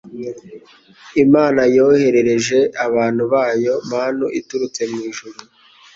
Imana yoherereje abantu bayo Manu iturutse mw'ijuru